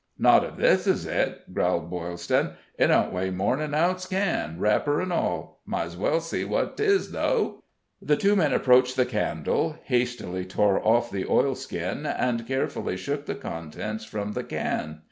"Not ef this is it," growled Boylston; "it don't weigh more'n ounce can, wrapper and all. Might's well see what 'tis, though." The two men approached the candle, hastily tore off the oilskin, and carefully shook the contents from the can.